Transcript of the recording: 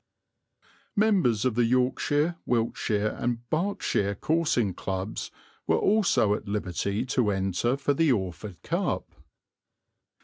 Members of the Yorkshire, Wiltshire and Berkshire Coursing Clubs were also at liberty to enter for the Orford Cup.